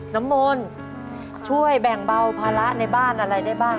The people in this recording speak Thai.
น้ำมนต์ช่วยแบ่งเบาภาระในบ้านอะไรได้บ้าง